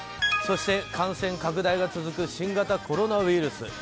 そして、感染拡大が続く新型コロナウイルス。